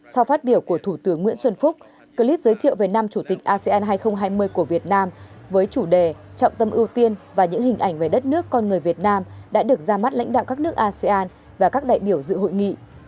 sau phát biểu của thủ tướng nguyễn xuân phúc clip giới thiệu về năm chủ tịch asean hai nghìn hai mươi của việt nam với chủ đề trọng tâm ưu tiên và những hình ảnh về đất nước con người việt nam đã được ra mắt lãnh đạo các nước asean và các đại biểu dự hội nghị